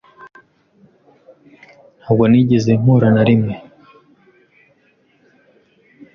Ntabwo nigeze mpura na rimwe.